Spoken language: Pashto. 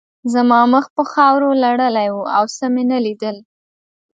زما مخ په خاورو لړلی و او څه مې نه لیدل